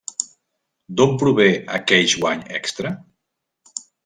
D'on prové aqueix guany extra?